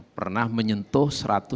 pernah menyentuh satu ratus tiga puluh